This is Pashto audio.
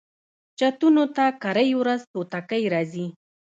چتونو ته کرۍ ورځ توتکۍ راځي